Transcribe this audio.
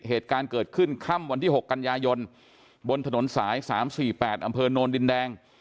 เหตุการณ์เกิดขึ้นค่ำวันที่๖กันยายนบนถนนสาย๓๔๘อำเภอโนนดินแดง